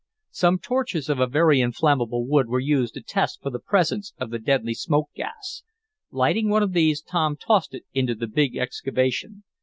Some torches of a very inflammable wood were used to test for the presence of the deadly smoke gas. Lighting one of these, Tom tossed it into the big excavation.